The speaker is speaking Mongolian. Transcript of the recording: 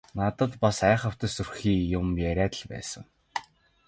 Надад бас айхавтар сүрхий юм яриад л байсан.